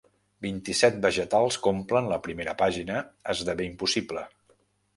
Vint-i-set vegetals que omplen la primera pàgina esdevé impossible.